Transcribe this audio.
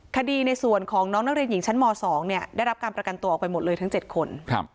ในส่วนของน้องนักเรียนหญิงชั้นม๒ได้รับการประกันตัวออกไปหมดเลยทั้ง๗คน